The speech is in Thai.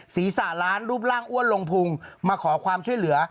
ศีรษะล้านรูปร่างอ้วนลงพุงมาขอความช่วยเหลือ